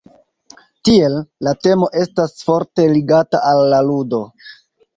Tiel, la temo estas forte ligata al la ludo.